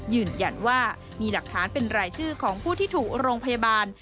ยืนยันว่ามีหลักฐานเป็นรายชื่อของผู้ที่ถูกโรงพยาบาล